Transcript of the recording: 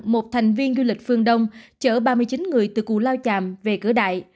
một thành viên du lịch phương đông chở ba mươi chín người từ cù lao tràm về cửa đại